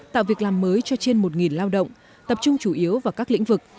tạo việc làm mới cho trên một lao động tập trung chủ yếu vào các lĩnh vực